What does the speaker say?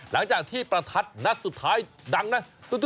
หลังจากที่ประทัดนัดสุดท้ายดังนะ